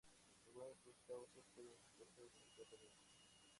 Algunas de sus causas pueden desaparecer sin tratamiento.